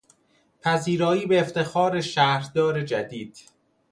پذیرایی به افتخار شهردار جدید